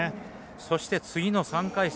そして次の３回戦